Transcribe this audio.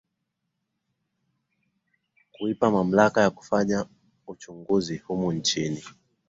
kuipa mamlaka ya kufanya uchunguzi humu nchini